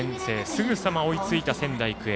すぐさま追いついた仙台育英。